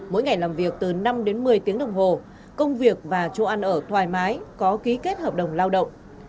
mỗi ngày làm việc từ năm đến một mươi tiếng đồng hồ công việc và chỗ ăn ở thoải mái có ký kết hợp đồng lao động